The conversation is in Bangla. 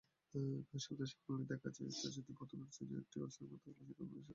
বৃহস্পতিবার সকালে দেখা যায়, স্টেশনটিতে প্রথম শ্রেণির একটি বিশ্রামাগার থাকলেও সেটি বন্ধ।